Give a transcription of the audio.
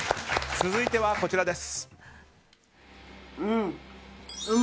続いてはこちらです。